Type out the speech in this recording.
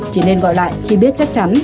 chỉ nên gọi lại khi biết chắc chắn